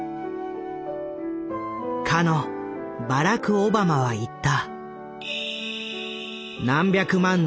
かのバラク・オバマは言った。